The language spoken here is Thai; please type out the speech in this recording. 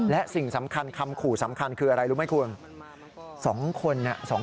และสิ่งสำคัญคำขู่สำคัญคืออะไรรู้ไหมคุณ